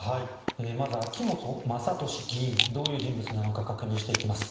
まず秋本真利議員どういう人物なのか確認します。